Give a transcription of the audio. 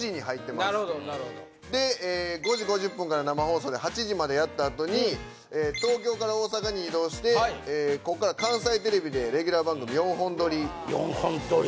なるほどなるほどで５時５０分から生放送で８時までやったあとに東京から大阪に移動してここから関西テレビでレギュラー番組４本撮り４本撮り？